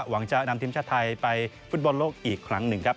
หวังจะนำทีมชาติไทยไปฟุตบอลโลกอีกครั้งหนึ่งครับ